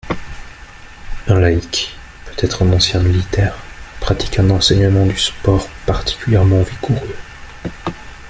Un laïc, peut-être un ancien militaire, pratique un enseignement du sport particulièrement vigoureux.